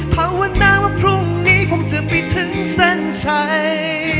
เพราะว่าน่าว่าพรุ่งนี้ผมจะไปถึงสั้นชัย